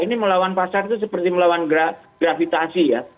ini melawan pasar itu seperti melawan gravitasi ya